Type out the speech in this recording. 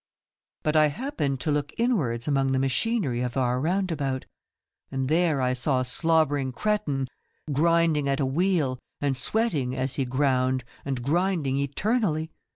But I happened to look inwards among the machinery of our roundabout, and there I saw a slobbering cretin grinding at a wheel and sweating as he ground and grinding eternally.